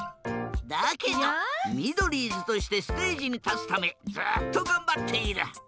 だけどミドリーズとしてステージにたつためずっとがんばっている。